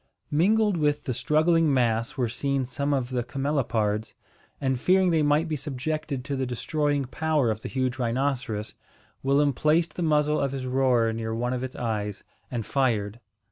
Mingled with the struggling mass were seen some of the camelopards; and, fearing they might be subjected to the destroying power of the huge rhinoceros, Willem placed the muzzle of his roer near one of its eyes, and fired.